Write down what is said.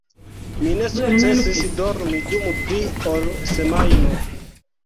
Mi ne sukcesis dormi dum pli ol semajno.